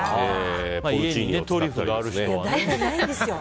家にトリュフがある人はね。